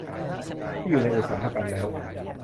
ที่อยู่ในอุตสาหกรรมแล้ว